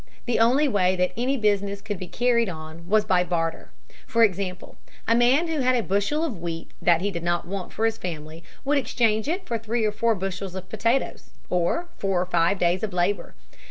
The only way that any business could be carried on was by barter. For example, a man who had a bushel of wheat that he did not want for his family would exchange it for three or four bushels of potatoes, or for four or five days of labor.